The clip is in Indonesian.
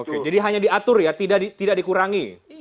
oke jadi hanya diatur ya tidak dikurangi